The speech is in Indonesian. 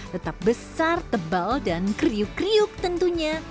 tetap besar tebal dan kriuk kriuk tentunya